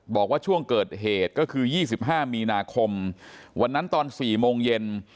บอกว่าช่วงเกิดเหตุก็คือ๒๕มีนาคมวันนั้นตอน๔โมงเย็น